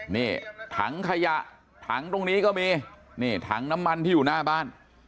นี่ถังขยะถังตรงนี้ก็มีนี่ถังน้ำมันที่อยู่หน้าบ้าน